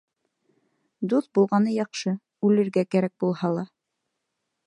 Дуҫ булғаны яҡшы, үлергә кәрәк булһа ла.